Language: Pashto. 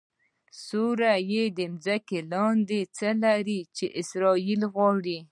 سوریه ځمکې لاندې څه لري چې اسرایل غواړي؟😱